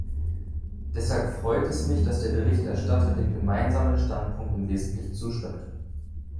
Deshalb freut es mich, dass der Berichterstatter dem Gemeinsamen Standpunkt im Wesentlichen zustimmt.